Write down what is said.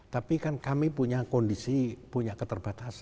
tapi kan kami punya kondisi punya keterbatasan